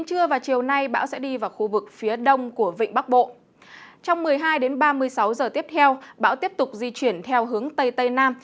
trong một mươi hai đến ba mươi sáu giờ tiếp theo bão tiếp tục di chuyển theo hướng tây tây nam